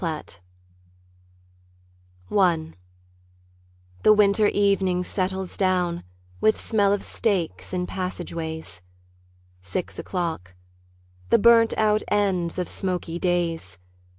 Preludes I The winter evening settles down With smell of steaks in passageways. Six o'clock. The burnt out ends of smoky days.